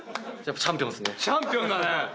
チャンピオンだね。